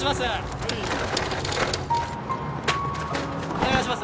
はい・お願いします